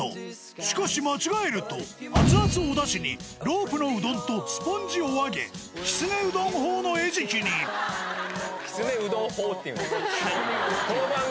しかし間違えると、熱々おだしにロープのうどんとスポンジお揚げ、きつねうどん砲のきつねうどん砲っていうの？